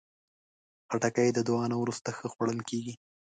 خټکی د دعا نه وروسته ښه خوړل کېږي.